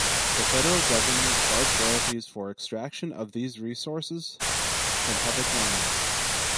The federal government charged royalties for extraction of these resources from public lands.